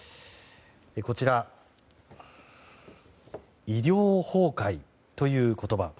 こちら、医療崩壊という言葉。